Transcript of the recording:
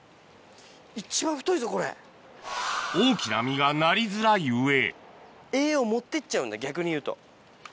大きな実がなりづらい上逆に言うと。